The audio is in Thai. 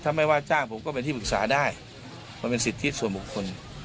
ถ้าไม่ว่าจ้างผมก็เป็นที่ปรึกษาได้มันเป็นสิทธิส่วนบุคคล